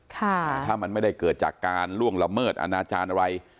ถ้ามันไม่ได้เกิดจากการล่วงละเมิดอนาจารย์อะไร